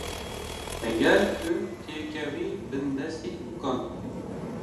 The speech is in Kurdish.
Heger tu têkevî bin destê bûkan.